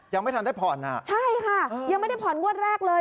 ยังไม่ทันได้ผ่อนอ่ะใช่ค่ะยังไม่ได้ผ่อนงวดแรกเลย